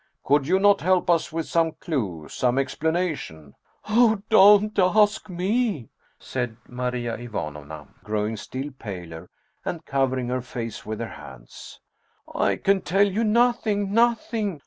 Could you not help us with some clew, some explanation ?"" Oh, don't ask me !" said Maria Ivanovna, growing still paler, and covering her face with her hands. " I can tell you nothing. Nothing!